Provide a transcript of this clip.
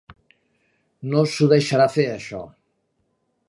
No s'ho deixaria fer, això!